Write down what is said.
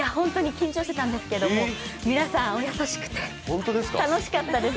緊張してたんですけど、皆さんお優しくて楽しかったです。